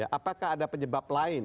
apakah ada penyebab lain